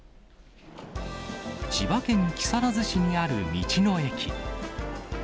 千葉県木更津市にある道の駅。